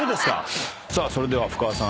さあそれではふかわさん